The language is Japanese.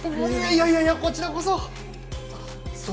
いやいやこちらこそ。